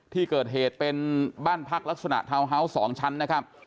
ที่เกิดเหตุเป็นบ้านพักลักษณะทาวน์ฮาวส์๒ชั้นนะครับ